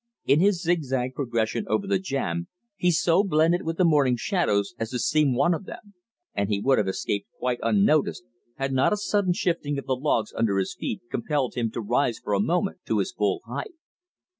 In his zigzag progression over the jam he so blended with the morning shadows as to seem one of them, and he would have escaped quite unnoticed had not a sudden shifting of the logs under his feet compelled him to rise for a moment to his full height.